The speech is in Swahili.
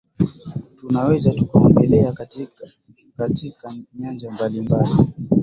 tunaweza tukaongelea katika katika nyanja mbalimbali